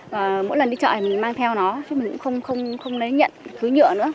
và mỗi lần đi chợ mình mang theo nó chứ mình cũng không lấy nhận thứ nhựa nữa